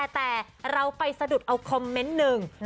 แต่เราไปสะดุดเอาคอมเมนต์หนึ่ง